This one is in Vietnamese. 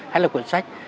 hay là quyển sách